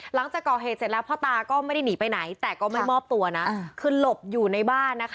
หลังจากก่อเหตุเสร็จแล้วพ่อตาก็ไม่ได้หนีไปไหนแต่ก็ไม่มอบตัวนะคือหลบอยู่ในบ้านนะคะ